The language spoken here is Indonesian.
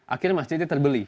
akhirnya masjidnya terbeli